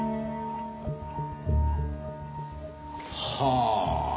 はあ。